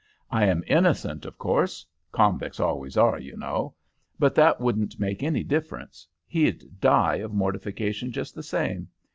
I am innocent, of course convicts always are, you know but that wouldn't make any difference. He'd die of mortification just the same.